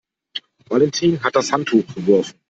Valentin hat das Handtuch geworfen.